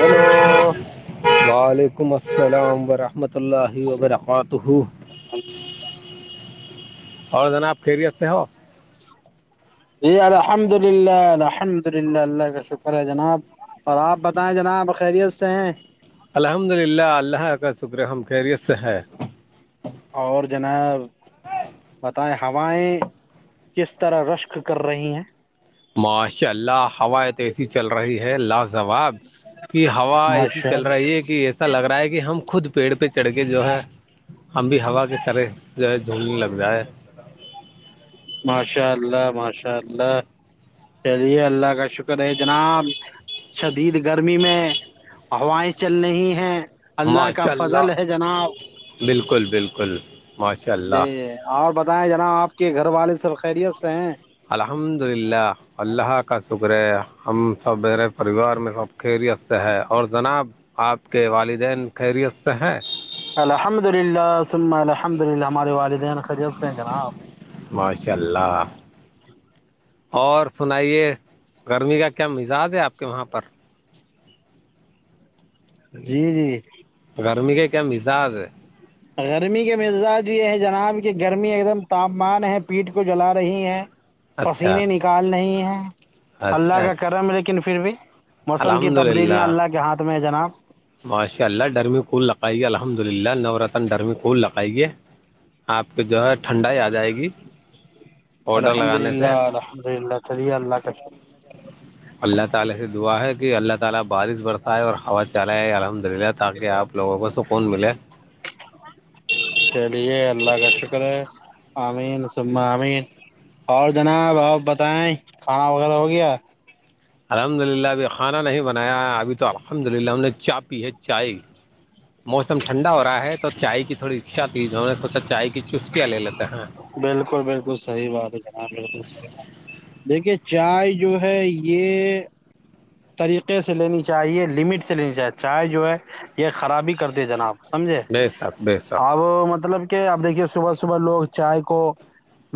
Hello وعلیکم السلام ورحمۃ اللہ وبرکاتہ اچ اور جناب خیریت سے ہو جی الحمد للہ الحمد للہ اللہ کا شکر ہے جناب اور آپ بتائیں جناب خیریت سے ہیں الحمد للہ اللہ کا شکر ہم خیریت سے ہے اور جنا بتائیں ہوائیں کس طرح رشک کر رہی ہیں ماشاء اللہ ہوائے ت ایسی چل رہی ہے لاز جواب کی ہوا ایسی ماشاء چل اللہ رہی ہے کہ ایسے ایسا لگ رہا ہے کہ ہم خود پیڑ پہ چڑھ کے جو ہے ہم بھی ہوا کے سرے جو ہے جھونڈنے لگتا ہے ماشاء اللہ ماشاء اللہ چلیے اللہ کا شکر ہے جناب شدید گرمی میں ہوائیں چل رہی ہے اللہ کا ماشاء اللہ فضل ہے جناب بالکل بالکل ماشاء اللہ جی اور بتائیں جناب آپ کے گھر والے سب خیریت سے ہیں الحمد للہ اللہ کا شکر ہے ہم سب میرے پریوار میں سب خیریت سے ہے اور جناب آپ کے والدین خیریت سے ہیں الحمد للہ سن الحمد للہ ہمارے والدین خریت سے ہیں کیا ن آپ ماشاء اللہ اور سنائیے گرمی کا کیا مزاج ہے آپ کے وہاں پر جی جی گرمی کا کیام مزا ہے گرمی کے مزاج یہ ہے جناب کہ گرمی ایک دم تاپمان ہے پیٹ کو جلا رہی ہے اچھا پسینے نکال نہیں ہیں اللہ اچھا اچھا کا کرم لیکن پھر بھی موسم کی الحمد تبدیلیاں للہ اللہ کے ہاتھ میں ہے جناب ماشاء اللہ ڈرمی کھول لگائیے الحمد للہ نور رتن ڈرمی کوول لگائیے آپ کے جو ہے ٹھنڈا ہی آ جائے گی پاؤڈر الحمد لگانے سے للہ الحمد للہ چلیے اللہ کاف [unintelligible] ہ تاک آپ لوگوں کوس کو کون ملے چلیے اللہ کا شکر ہے امین سم امین اور جناب آپ بتائیں کھانا وغیرہ ہو گیا الحمد للہ ابھی کھانا نہیں بنایا ہے ابھی تو الحمد للہ ہم نے چا پی ہے چائے موسم ٹھنڈا ہو رہا ہے تو چائے کی تھوڑی اچھا تیز ہے انیں سوچا چائے کی چسکیاں لے لیتے ہیں بالکل بالکل صحیح بات ہے جناب بالکلحیحات دیکھیے چائے جو ہے یہ طریقے سے لینی چاہیے لمٹ سے لینی چاہیے چائے جو ہے یہ خرابی کر د جناب سمجھے بے شک بے شک اب مطلب کہ آب دیکھیے صبح صبح لوگ چائے کو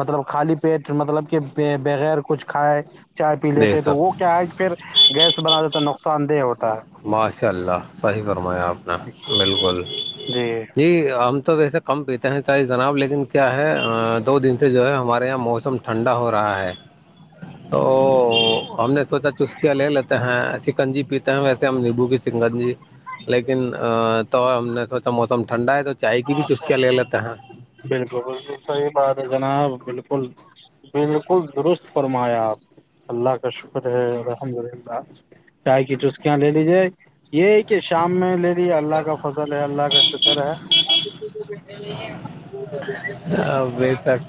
مطلب خالی پیٹ مطلب کہ بغیر کچھ کھائے چائے پی بے لیتے ہیں تو شک وہ کیا ہے کہ پھر گیس بنا دیتا نقصان دہ ہوتا ہے ماشاء اللہ صحیح فرمایا آپ نے بالکل جی ہم تو ویسے کم پیتے ہیں ساری جناب لیکن کیا ہے دو دن سے جو ہے ہمارے یہاں موسم ٹھنڈا ہو رہا ہے تو ہم نے سوچا چسکیاں لے لیتے ہیں سکنجی پیتے ہیں ویسے ہم نبو کی سنگن جی لیکن تو ہم نے سوچا موسم ٹھنڈا ہے تو چائے کی بھی چوسیاں لے لیتا ہ بالکل بکل صحیح بات ہے جناب بالکل بالکل درست فرمایا آپ اللہ کا شکر ہے الحمد للہ چائے کی ٹوسکیاں لے لیجیے یہ کہ شام میں لے لییے اللہ کا فضل ہے اللہ کا شکر ہے ا بتر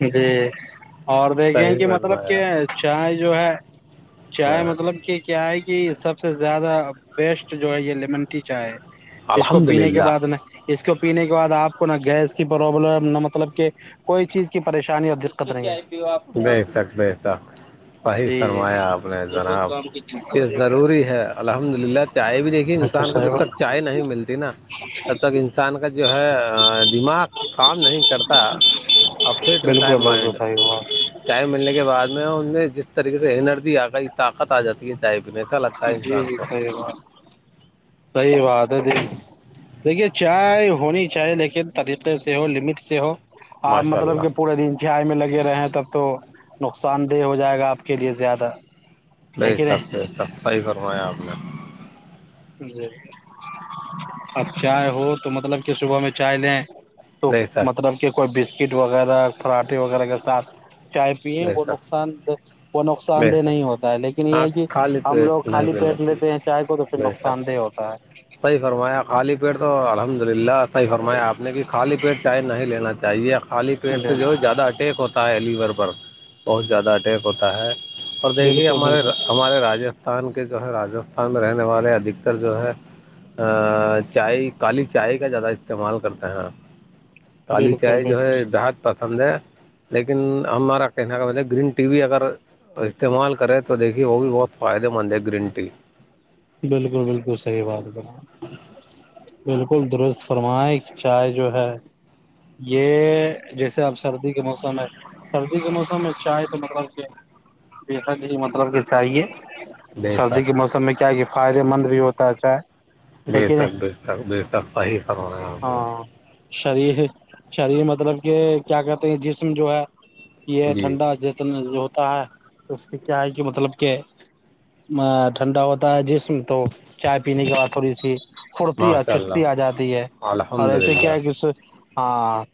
جی اور دیکھے صحیح کہ مطلب فرمایا کہ چائے جو ہے چائے ہاں مطلب کہ کیا ہے کہ سب سے زیادہ بیسٹ جو ہے یہ لیمن ٹی چائے ہے اس کو الحمد پینے کے للہ بعد ن اس کو پینے کے بعد آپ کو نہ گیس کی پروابلم نہ مطلب کہ کوئی چیز کی پریشانی اور خوب چائے پی او آپ بے شک بے شک صحیح فرمایا آپ نے جناب یہ ضروری ہے الحمد للہ چائے بھی دیکھی انسان کو جب تک چائے نہیں ملتی نا تب تک انسان کا جو ہے دماغ کام نہیں کرتا اپسیٹ رہتا ہے بالکل بالکل مائنڈ صحیح بات چائے ملنے کے بعد میں ان میں جس طریقے سے انرجی طاقت آ جاتی ہے چائے پینے سے اصا لگتا ہے جی انسان کو [unintelligible] صحی بات ہے دیکھیے چائے ہونی چاہیے لیکن طریقے سے ہو لمٹ سے ہو آپ ماشاء مطلب اللہ کہ پورے دن گائے میں لگے رہے ہیں تب تو نقصان دہ ہو جائے گا آپ کے لیے زیادہ ہے نہیں کہ سب سے س صحی فرمایا آپ نے جی اب چائے ہو تو مطلب کہ صبح میں چائے لیں تو بے شک مطلب کہ کوئی بسکٹ وغیرہ پراٹھے وغیرہ کے ساتھ چائے پیے بے وہ شک نقصان وہ بے نقصان دہ نہیں شک ہوتا ہے لیکن یہ ہاں ہے کہ خالی ہم لوگ پیٹ نہیں خالی پینا پیٹ چاہیے لیتے ہیں چائے کو تو پھر نقصان دہ ہوتا ہے صی فرمایا خالی پیٹ تو الحمد للہ صحیح فرمایا آپ نے کہ خالی پیٹ چائے نہیں لینا چاہیے خالی پیٹ ہے جی سے جو زیادہ اٹیک ہوتا ہے لیور پر بہت زیادہ اٹیک ہوتا ہے اور دیکھیے بالکل ہمارے بالکل ہمارے راجیہ ہستان کے جو ہے راجستھان میں رہنے والے ادھکتر جو ہے چائے کالی چائے کا زیادہ استعمال کرتے ہیں آپ کالی بالکل چائے جو ہے بالکل بےحد پسند ہے لیکن ہمارا کہنے کا بط گرین ٹی بھی اگر استعمال کرے تو دیکھ۔ یے وہ بھی بہت فائدے مند ہے گرین ٹی بالکل بالکل صحی بات ہے بالکل بالکل درست فرمائے چائے جو ہے یہ جیسے اب سردی کے موسم ہے سردی کے موسم میں چائے تو مطلب کہ بے ہی مطلب کہ چاہیے بے سردی شک کے موسم میں کیا ہے کہ فائدے مند بھی ہوتا ہےتا بے تک بے تک بے تک صحیح کروے ہاں شریر شریر مطلب کہ کیا کہتے ہیں جسم جو ہے یہ جی ٹھنڈا جتن جو ہوتا ہے اس کے کیا ہے کہ مطلب کہ ٹھنڈا ہوتا ہے جسم تو چائے پینے کے بعد تھوڑی سی پھرتی اور ماشاء چستی آ اللہ جاتی ہے اور الحمد ایسے کیا للہ ہے کہ ہاں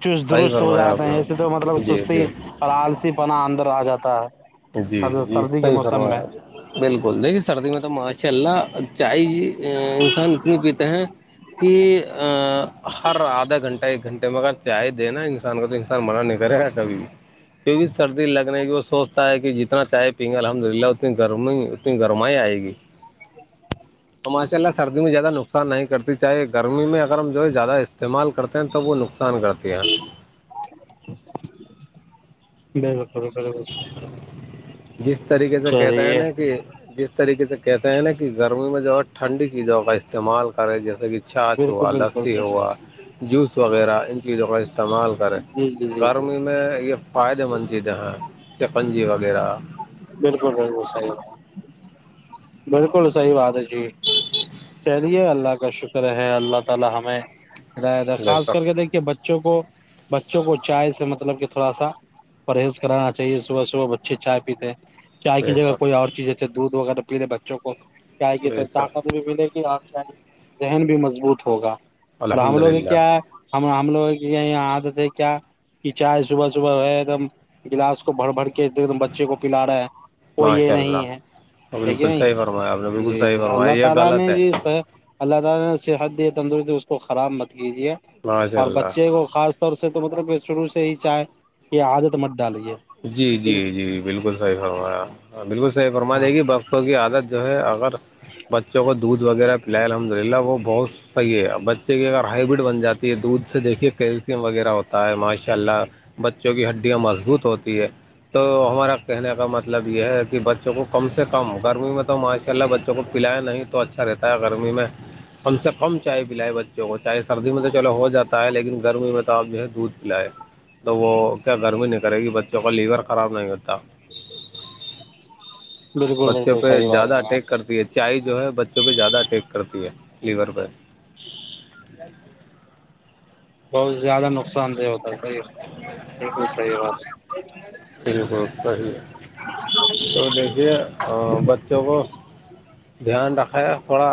چست صحیح درست ہو فرمایا آپ جاتے ہیں ایسے تو مطلب نے جی سستی جی اور آلسی پنا اندر آ جاتا ہے جی ہر جی سردی کے صحیح موسم میں فرمایا بالکل دیکھیے سردی میں تو ماشاء اللہ چائے انسان اتنی پیت‌ ہیں کہ ہر آدھا گھنٹہ ھٹ ایک گھنٹے میں اگر چائے دینا انسان کو تو انسان منع نہیں کرے گا کبھی کی بھی سردی لگنے کی وہ سوچ تا ہے کہ جتنا چائے پییں گے الحمد للہ اتنی گرمی اتنی گرمائی آئے گی [inaudible] تو ماشا اللہ سردی میں زیادہ نقص نہیں کرتی چاہے گرمی میں اگر ہم جو ہے زیادہ استعمال کرتے ہیں تو وہ نقصان [unintelligible] [unintelligible] جس طریقے سے کہتے ہیں چلیے نا کہ جس طریقے سے کہتے ہیں نا کہ گرمی میں جو ہے ٹھنڈی چیزوں کا استعمال کریں جیسے کہ چاچھ بالکل ہوا بالکل لسی صحیح ہوا بات جوس وغیرہ ان چیزوں کا استعمال کریں جی جی جی جی گرمی میں یہ فائدے مند چیزیں ہیں چکنجی وغیرہ بالکل بالکل صحیح بالکل صحی بات ہے جی چلیے اللہ کا شکر ہے اللہ تعالی ہمیں ر بے خاص شک کر کے دیکھی کہ بچوں کو بچوں کو چائے سے مطلب کہ تھوڑا سا پرہیز کرانا چاہیے صبح صبح بچے چائے پیتے چائے کی بے جگہ کوئی شک اور چیز ہےسے دودھ وغیرہ پی لے بچوں کو چائے کی تو بے طاقت شک ملے گی آ ذہن بھی مضبوط ہوگا اور الحمد ہم لوگ للہ کیا ہے ہم ہم لوگ کی آادت ہے کیا کی چائے صبح صبح ہے ایک دم گلاس کو بھر بھر کے ایک دم بچے کو پلا رہا ہے کوئی یہ ماشاء اللہ نہیں بالکل ہے صحیح فرمایا آپ نے بالکل صحیح اللہ فرمایا یہ تعالی غلط نے ہے بھی اللہ تعالی نے صحت دی تندرستی اس کو خراب مت کیجے ماشاء اور اللہ بچے کو خاص سے تو مطلب شروع سے ہی چاہ کہ عادت مت ڈالی ہے جی جی جی بالکل صحیح فرمایا بالکل صحیح فرما ہاں دے گی بس بوں کی عادت جو ہے اگر بچوں کو دودھ وغیرہ پلائے الحمد للہ وہ بہت پی ہے بچے کی اگر ہائبرڈ بن جاتی ہے دودھ سے دیکھیے کیلشم وغیرہ ہوتا ہے ماشاء اللہ بچوں کی ہڈیاں مضبوط ہوتی ہے تو ہمارا کہنے کا مطلب یہ ہے کہ بچوں کو کم سے کم گرمی میں تو ماشاء اللہ بچوں کو پلیا نہیں تو اچھا رہتا ہے گرمی میں ہم سب ہم چائے پلائے بچ چاہے سردی میں تو چلو ہو جاتا ہے لیکن گرمی میں تو آپ جو ہے دودھ پلائے تو وہ کیا گرمی نہیں کرے گی بچوں کا لیور خراب نہیں ہوتا بالکل بچوں بالکل پہ صحیح بات ہے زیادہ جناب اٹیک کرتی ہے چائے جو ہے بچوں پہ زیادہ اٹیک کرتی ہے لیور پہ بہت زیادہ نقصان دہ ہوتا ہے صحی ایک بھی سی بات بالکل صحیح ہے تو دیکھیے اور بچوں کو دھیان رکھے تھوڑا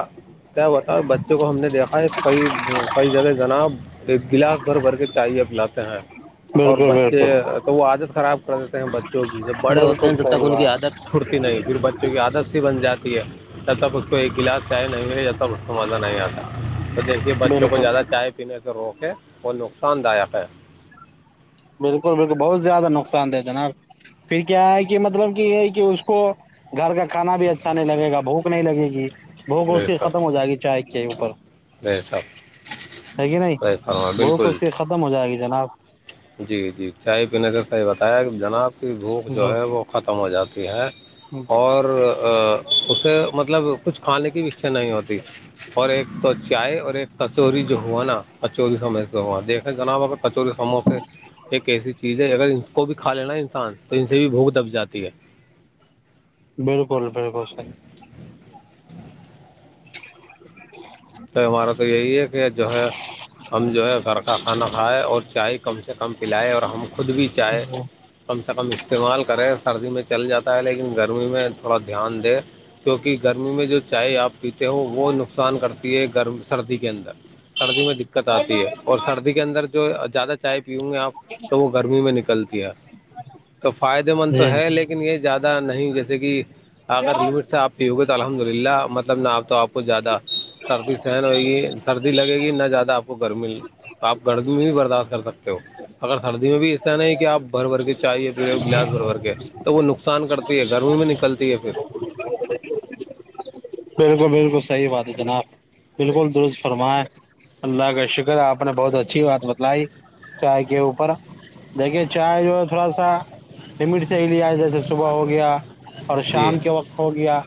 کیا بتا بچوں کو ہم نے دیکھا ہے کئی کئی جگہ جناب ایک گلاس بھر بھر کے چاہییاب لاتے ہیں اور بالکل بچے بالکل تو وہ عادت خراب پڑتے ہیں بچوں کی جب بڑے ہوتے بالکل ہیں تب تک صحیح ان کی بات عادت چھوٹتی نہیں پھر بچوں کی عادت بن جاتی ہے تب تک اس کو ایک گلاس چائے نہیں مللی جاتا اس کو مزہ نہیں آتا تو جیسے بچوں کو بالکل زیادہ چائے پینے سے روکیں اور نقصان دایک ہے بالکل بالکل بہت زیادہ نقصان دے جناب پھر کیا ہے کہ مطلب کہ ہے کہ اس کو گھر کا کھانا بھی اچھا نہیں لگے گا بھوک نہیں لگے گی بھوگوس کی ختم ہو جائے گی چائے کے ہی اوپر جی سب ہے کہ نہیں رائی فارما بھوک بالکل اس کی ختم ہو جائے گی جناب جی جی چائے پینے کا ص یہ بتایا جناب کی بھوک جو ہے وہ ختم ہو جاتی ہے اور اسے مطلب کچھ کھانے کی بھی اچھا نہیں ہوتی اور ایک تو چائے اور ایک کچوری جو ہوا نا کچوری سمو سے ہوا دیکھے جناب اگر کچوری سموسے [inaudible] ایک ایسی چیز ہے اگر ان کو بھی کھا لینا انسان تو ان سے بھی بھوک دب جاتی ہے بالکل بالکل س [inaudible] [unintelligible] تو ہمارا تو یہی ہے کہ جو ہے ہم جو ہے گھر کا کھانا کھائے اور چائے کم سے کم پلائے اور ہم خود بھی چائے کم سے کم استعمال کریں سردی میں چل جاتا ہے لیکن گرمی میں تھوڑا دھیان دے کیونکہ گرمی میں جو چائے آپ پیتے ہو وہ نقصان کرتی ہے گر سردی کے اندر سردی میں دقت آتی ہے اور سردی کے اندر جو زیادہ چائے پیوں گے آپ تو وہ گرمی میں نکلتی ہے تو فائدے مند تو جی ہے لیکن یہ زیادہ نہیں جیسے کہ اگر لمٹ سے آپ کی ہوگی تو الحمد للہ مطلب مطلب نہ آپ تو آپ کو زیادہ سرتی سہن ہوئے گی [unintelligible] سردی لگے گی نہ زیادہ آپ کو گرمی تو آپ گردمی میں بھی برداشت کر سکتے ہو اگر سردی میں بھی ایسر نہیں ہے کہ آپ بھر بھر کے چاہی یا پھر گلاس بھر بھر کے تو وہ نقصان کرتی ہے گرمی میں نکلتی ہے پھر ب [unintelligible] بالکل بالکل صحیح بات ہے جناب بالکل درست فرمائے اللہ کا شکر آپ نے بہت اچھی بات بتلائی چائے کے اوپر دیکھیے چائے جو ہے تھوڑا سا لمٹ سے ہی لیا جس صبح ہو گیا اور جی شام کے وقت ہو گیا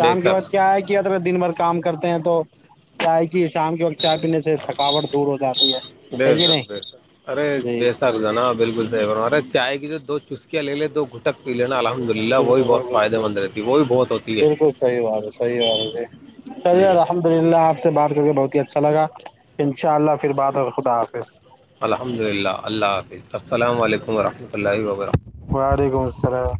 بے کے شک وقت کیا ہے کہ ار دن بھر کام کرتے ہیں تو کیا ہے جی شام کے وقت چائے پینے سے تھکاوٹ دور ہو جاتی ہے چ ہے نہیں جی س نا بالکل صح بارے چائے کی جو دو چسکیا لے لے دو گ تک پی لینا الحمد للہ وہ بھی بالکل بہت فائدے بالکل مند صحیح رہتی ہے وہ بھی بہت ہوتی ہے بالکل صحیح بات ہے صح بات ہے چلیے الحمد للہ آپ سے بات کر کے بہت ہی اچھا لگا ان شاء اللہ پھر بات اور خدا حاظ الحمد للہ اللہ حافظ السلام علیکم و رحمۃ اللہ و برکاتہ وعلیکم السلام